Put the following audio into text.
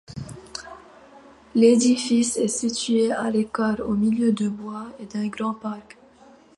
L'édifice est situé à l’écart, au milieu de bois et d’un grand parc.